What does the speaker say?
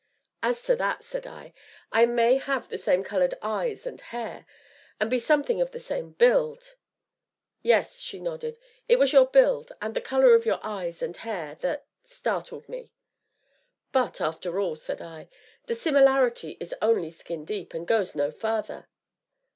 "As to that," said I, "I may have the same colored eyes and hair, and be something of the same build " "Yes," she nodded, "it was your build, and the color of your eyes and hair that startled me." "But, after all," said I, "the similarity is only skin deep, and goes no farther."